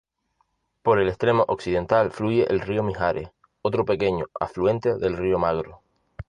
Por el extremo occidental fluye el río Mijares, otro pequeño afluente del río Magro.